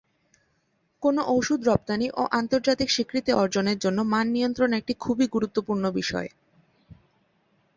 কোন ওষুধ রপ্তানি ও আন্তর্জাতিক স্বীকৃতির অর্জনের জন্য মান নিয়ন্ত্রণ একটি খুবই গুরুত্বপূর্ণ বিষয়।